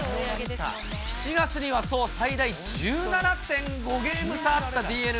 ７月には、最大１７．５ゲーム差あったＤｅＮＡ。